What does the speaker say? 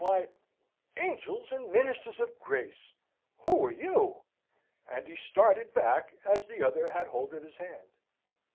Why... Angels and ministers of grace! who are you?" And he started back as the other had hold of his hand.